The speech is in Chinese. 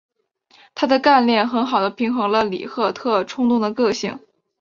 她的干练很好地平衡了里赫特冲动的个性。